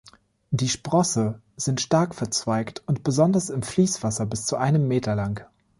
Die Sprosse sind stark verzweigt und besonders im Fließwasser bis zu einem Meter lang.